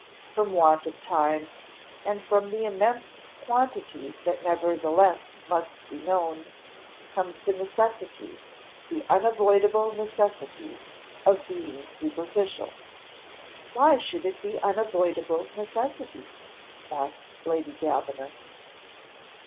From want of time, and from the immense quantity that nevertheless must be known, comes the necessity, the unavoidable necessity of being superficial." "Why should it be unavoidable necessity?" asked Lady Davenant.